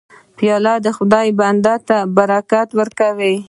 پیاله د خدای بنده ته برکت ورکوي.